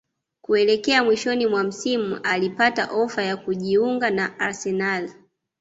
kuelekea mwishoni mwa msimu alipata ofa ya kujiunga na Arsenal